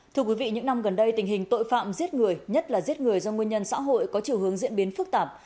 thưa quý vị những năm gần đây tình hình tội phạm giết người nhất là giết người do nguyên nhân xã hội có chiều hướng diễn biến phức tạp